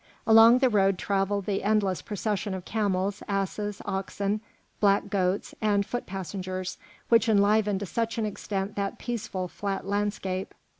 Along the road travelled the endless procession of camels, asses, oxen, black goats, and foot passengers, which enlivened to such an extent that peaceful, flat landscape.